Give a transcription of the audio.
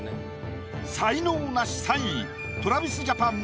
才能ナシ３位ＴｒａｖｉｓＪａｐａｎ